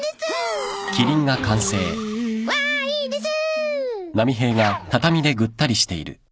わいです。